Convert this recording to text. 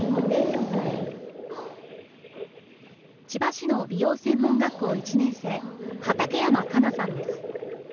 千葉市の美容専門学校１年生、畠山香奈さんです。